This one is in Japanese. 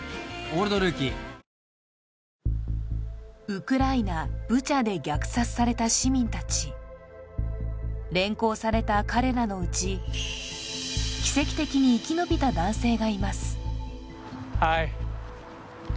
ウクライナブチャで虐殺された市民たち連行された彼らのうち奇跡的に生き延びた男性がいますＨｉ！